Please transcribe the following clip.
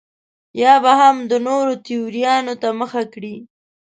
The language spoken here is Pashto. یا به هم د نورو تیوریانو ته مخه کړي.